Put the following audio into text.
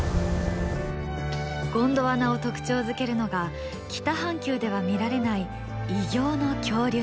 ゴンドワナを特徴づけるのが北半球では見られない異形の恐竜たち。